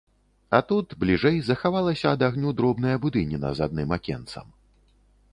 А тут, бліжэй, захавалася ад агню дробная будыніна з адным акенцам.